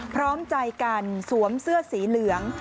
พร้อมใจกันสวมเสื้อสีเหลือง